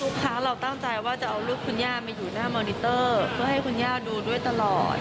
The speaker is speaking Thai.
เราตั้งใจว่าจะเอารูปคุณย่ามาอยู่หน้ามอนิเตอร์เพื่อให้คุณย่าดูด้วยตลอด